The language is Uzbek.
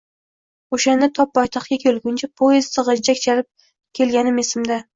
O’shanda to poytaxtga kelguncha poezdda g’ijjak chalib kelganim esimda.